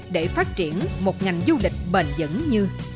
để phát triển một ngành du lịch bền dững như